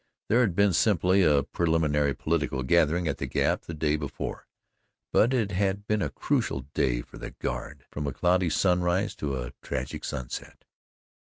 There had been simply a preliminary political gathering at the Gap the day before, but it had been a crucial day for the guard from a cloudy sunrise to a tragic sunset.